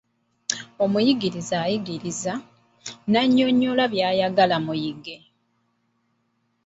Omuyigiriza ayigiriza, n'annyonnyola by'ayagala muyige.